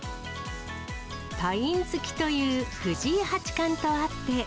パイン好きという藤井八冠とあって。